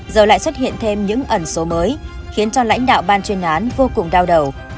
giờ lại xuất hiện thêm những ẩn số mới khiến cho lãnh đạo ban chuyên án vô cùng đau đầu